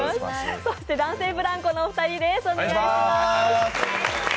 男性ブランコのお二人です。